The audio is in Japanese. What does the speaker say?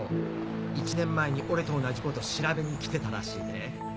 １年前に俺と同じこと調べに来てたらしいで。